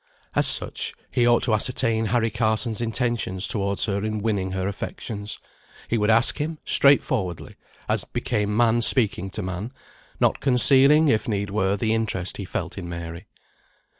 As such, he ought to ascertain Harry Carson's intentions towards her in winning her affections. He would ask him, straightforwardly, as became man speaking to man, not concealing, if need were, the interest he felt in Mary.